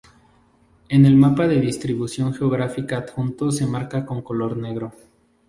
En el mapa de distribución geográfica adjunto se marca con color negro.